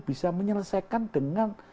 bisa menyelesaikan dengan